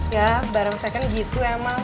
ya bareng second gitu emang